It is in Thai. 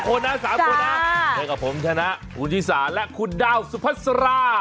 คนนะ๓คนนะเจอกับผมชนะคุณชิสาและคุณดาวสุพัสรา